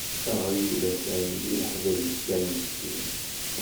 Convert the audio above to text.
Aɣyul atan deg leḥder-is kan meskin.